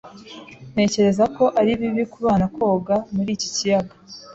Ntekereza ko ari bibi kubana koga muri iki kiyaga.